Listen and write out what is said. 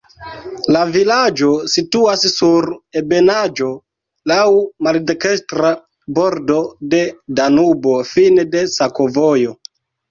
La vilaĝo situas sur ebenaĵo, laŭ maldekstra bordo de Danubo, fine de sakovojo.